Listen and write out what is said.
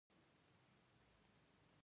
سوالګر ته یوه ګوله ډوډۍ ستر روزی ده